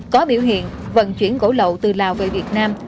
có biểu hiện vận chuyển gỗ lậu từ lào về việt nam